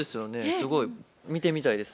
すごい見てみたいです。